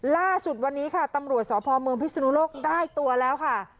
ล่าสุดวันนี้ค่ะตำรวจสพเมืองพิศนุโลกได้ตัวแล้วค่ะ